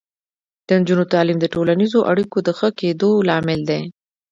د نجونو تعلیم د ټولنیزو اړیکو د ښه کیدو لامل دی.